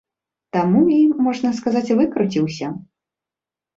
Таму і, можна сказаць, выкруціўся.